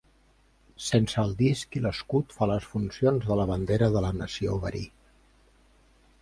Sense el disc i l'escut fa les funcions de bandera de la nació bari.